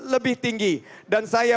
lebih tinggi dan saya